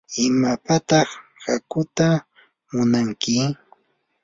¿imapataq hakuuta munanki?